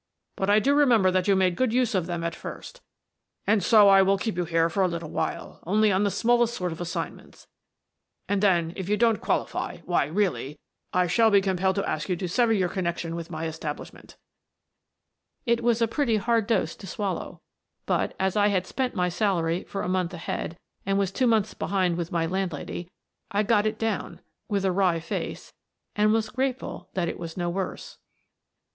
But I do remember that you made good use of them at first, and so I will keep you here for a little while, only on the smallest sort of assignments — and then, if you don't qualify, why, really, I shall be compelled to ask Denneen's Diamonds you to sever your connection with my establish ment/ It was a pretty hard dose to swallow, but, as I had spent my salary for a month ahead and was two months behind with my landlady, I got it down — with a wry face — and was even grateful that it was no worse.